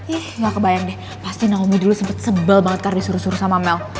eh gak kebayang deh pasti naomi dulu sempat sebel banget karena disuruh suruh sama mel